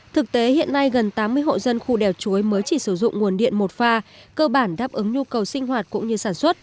thực tế hiện nay gần tám mươi hộ dân khu đèo chuối mới chỉ sử dụng nguồn điện một pha cơ bản đáp ứng nhu cầu sinh hoạt cũng như sản xuất